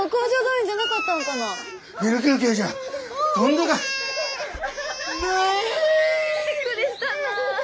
びっくりしたなあ。